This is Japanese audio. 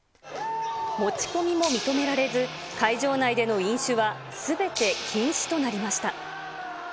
持ち込みも認められず、会場内での飲酒はすべて禁止となりました。